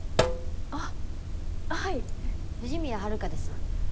あっはい藤宮遥です